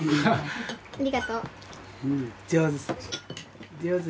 ありがとう。